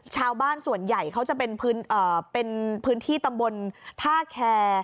ชาวบ้านส่วนใหญ่เขาจะเป็นพื้นที่ตำบลท่าแคร์